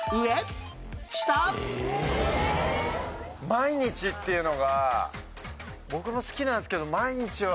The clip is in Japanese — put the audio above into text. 毎日っていうのが僕も好きなんですけど毎日は。